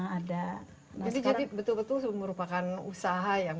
jadi jadi betul betul merupakan usaha yang